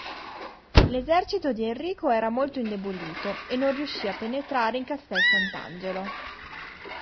L'esercito di Enrico era molto indebolito, e non riuscì a penetrare in Castel Sant'Angelo.